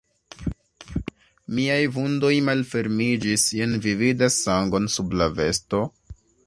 Miaj vundoj malfermiĝis: jen, vi vidas sangon sub la vesto?